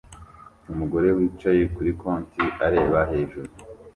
Umugore wicaye kuri konti areba hejuru